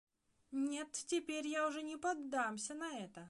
Нет, теперь я уже не поддамся на это!